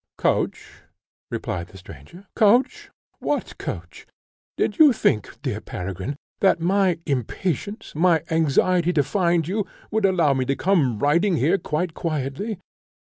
"Coach!" replied the stranger "Coach! what coach? Did you think, dear Peregrine, that my impatience, my anxiety, to find you, would allow me to come riding here quite quietly?